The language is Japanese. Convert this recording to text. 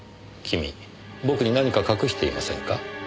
君僕に何か隠していませんか？